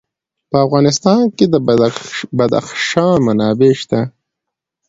په افغانستان کې د بدخشان منابع شته.